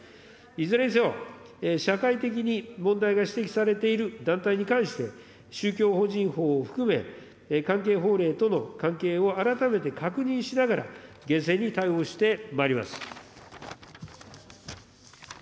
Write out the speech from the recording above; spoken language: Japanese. いずれにせよ、社会的に問題が指摘されている団体に関して、宗教法人法を含め、関係法令との関係を改めて確認しながら、厳正に対応してまいります。